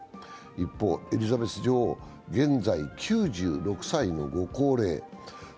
一方、エリザベス女王は現在９６歳のご高齢。